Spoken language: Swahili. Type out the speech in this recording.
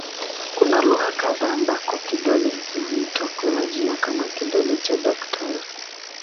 Kuna lugha kadha ambako kidole hiki huitwa kwa majina kama "kidole cha daktari".